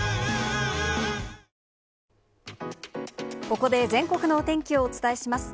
ここで全国のお天気をお伝えします。